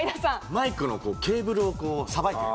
マイクのケーブルをさばいてる。